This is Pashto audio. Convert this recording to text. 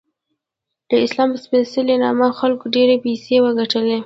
د اسلام په سپیڅلې نوم خلکو ډیرې پیسې وګټلی